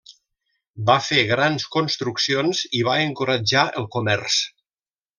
Va fer grans construccions i va encoratjar el comerç.